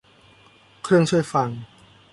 เครื่องช่วยฟัง